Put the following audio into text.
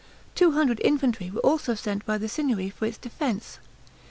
Two hundred infantry were also sent by the Signory for its defense.